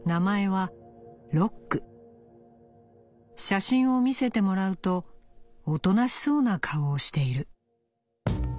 写真を見せてもらうとおとなしそうな顔をしている。